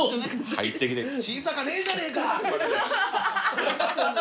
入ってきて「小さかねえじゃねえか！」